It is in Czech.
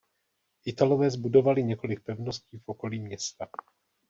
Italové zbudovali několik pevností v okolí města.